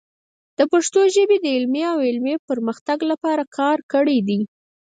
د پښتو ژبې د علمي او عملي پرمختګ لپاره کار کړی دی.